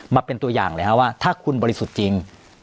มาเป็นตัวอย่างเลยว่าถ้าคุณบริสุทธิ์จริง